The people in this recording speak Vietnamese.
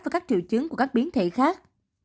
và các triệu chứng của các biến thể khác